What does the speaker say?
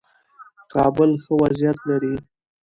کابل ښه وضعیت لري.